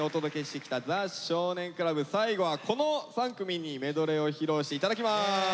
最後はこの３組にメドレーを披露して頂きます。